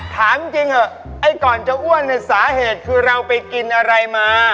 ถามจริงเถอะไอ้ก่อนจะอ้วนเนี่ยสาเหตุคือเราไปกินอะไรมา